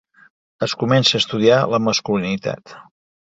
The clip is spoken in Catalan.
Es comença a estudiar la masculinitat.